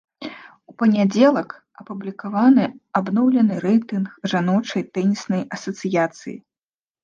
У панядзелак апублікаваны абноўлены рэйтынг жаночай тэніснай асацыяцыі.